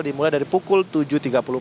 dimulai dari pukul tiga sampai jam lima belas